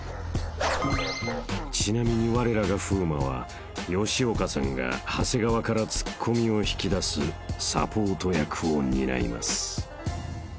［ちなみにわれらが風磨は吉岡さんが長谷川からツッコミを引き出すサポート役を担います］